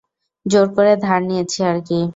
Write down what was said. জোর করে ধার নিয়েছি আরকি।